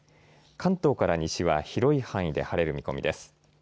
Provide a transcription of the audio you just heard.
関東から西は広い範囲で晴れる見込みです。